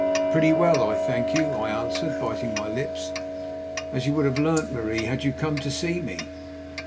"Pretty well, I thank you," I answered, biting my lips, "as you would have learnt, Marie, had you come to see me."